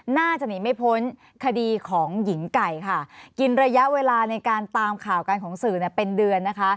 น่าจะหนีไม่พ้นคดีของหญิงไก่ค่ะกินระยะเวลาในการตามข่าวกันของสื่อเป็นเดือนนะคะ